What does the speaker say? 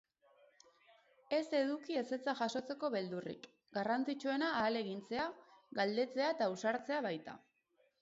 Ez eduki ezetza jasotzeko beldurrik, garrantzitsuena ahalegintzea, galdetzea eta ausartzea baita.